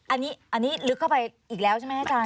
อันนี้ลึกเข้าไปอีกแล้วใช่ไหมอาจารย